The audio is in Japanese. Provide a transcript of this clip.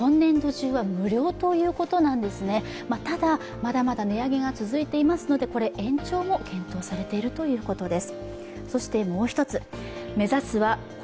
まだまだ値上げが続いていますので、これ延長も検討されているということです。